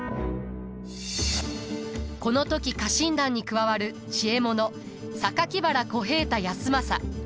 この時家臣団に加わる知恵者原小平太康政。